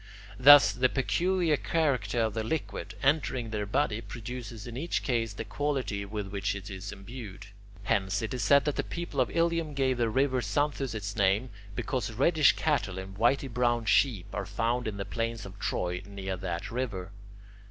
Thus, the peculiar character of the liquid, entering their body, produces in each case the quality with which it is imbued. Hence, it is said that the people of Ilium gave the river Xanthus its name because reddish cattle and whity brown sheep are found in the plains of Troy near that river.